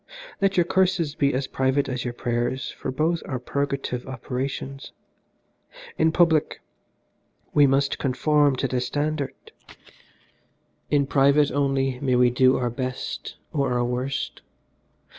Let your curses be as private as your prayers for both are purgative operations. In public we must conform to the standard, in private only may we do our best or our worst.